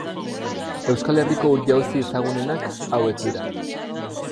Euskal Herriko ur-jauzi ezagunenak hauek dira.